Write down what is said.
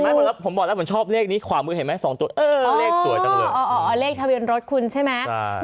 ผมบอกแล้วผมชอบเลขนี้ขวามือเห็นไหมสองตัวเออเลขสวยจังเลยอ๋อเลขทะเบียนรถคุณใช่ไหม